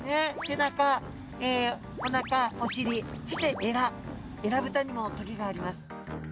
背中おなかおしりそしてえらえらぶたにもトゲがあります。